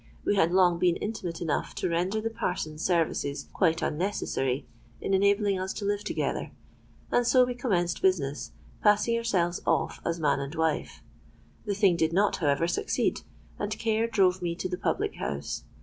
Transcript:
We had long been intimate enough to render the parson's services quite unnecessary in enabling us to live together; and so we commenced business, passing ourselves off as man and wife. The thing did not, however, succeed; and care drove me to the public house.